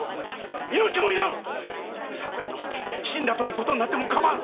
錯乱の果てに死んだということになってもかまわぬ！